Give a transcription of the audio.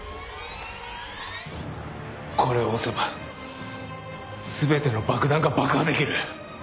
これを押せば全ての爆弾が爆破できる。